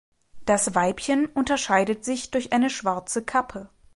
Das Weibchen unterscheidet sich durch eine schwarze Kappe.